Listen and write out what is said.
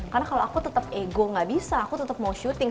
karena kalau aku tetap ego gak bisa aku tetap mau syuting